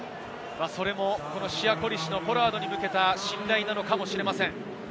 シヤ・コリシのポラードに向けた信頼なのかもしれません。